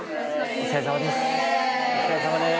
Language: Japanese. お疲れさまです。